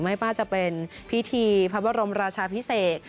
ไม่ว่าจะเป็นพิธีพระบรมราชาพิเศษ